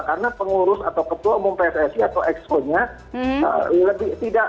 karena pengurus atau ketua umum pssi atau asprop nya